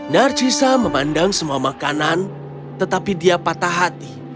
narcisa memandang semua makanan tetapi dia patah hati